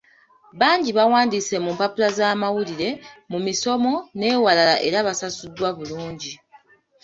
Bangi bawandiise mu mpapula z'amawulire, mu misomo n'ewalala era basasuddwa bulungi.